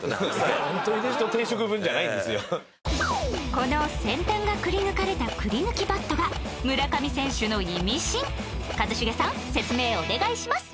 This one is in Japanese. この、先端がくりぬかれたくりぬきバットが村上選手のイミシン一茂さん説明、お願いします